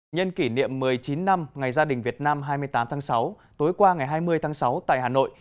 nhân kỷ niệm một mươi chín năm ngày gia đình việt nam hai mươi tám tháng sáu tối qua ngày hai mươi tháng sáu tại hà nội